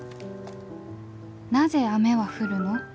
「なぜ雨は降るの？